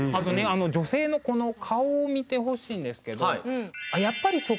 女性のこの顔を見てほしいんですけど。